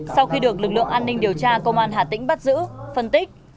sau khi được lực lượng an ninh điều tra công an hà tĩnh bắt giữ phân tích